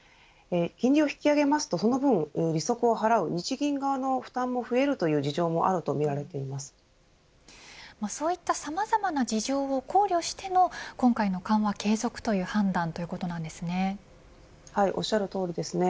金利を引き上げますとその分利息を払う日銀側の負担も増えるというそういったさまざまな事情を考慮しての今回の緩和継続という判断はい、おっしゃる通りですね。